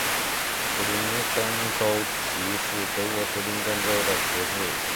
图林根州旗是德国图林根州的旗帜。